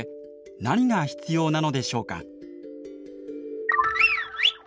何が必要なのでしょうか？